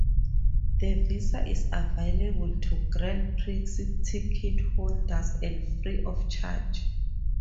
The visa is available to Grand Prix ticketholders and free of charge.